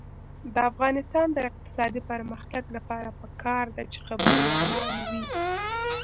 د افغانستان د اقتصادي پرمختګ لپاره پکار ده چې خبریالان وي.